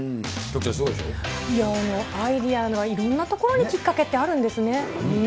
いや、アイデアが、いろんなところにきっかけってあるんですね。